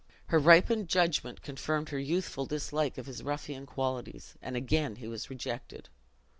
Her ripened judgment confirmed her youthful dislike of his ruffian qualities, and again he was rejected.